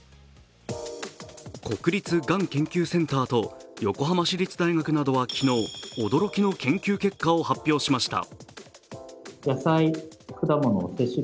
国立がん研究センターと横浜市立大学は昨日驚きの研究結果を発表しました。